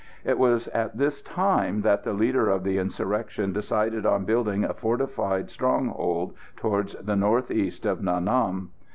It was at this time that the leader of the insurrection decided on building a fortified stronghold towards the north east of Nha Nam.